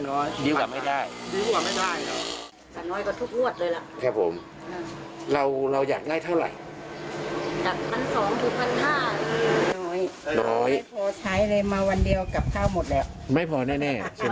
โอ๊ยไม่ถึงหรอกบอกว่าสำหรับมาวันนี้เนี่ย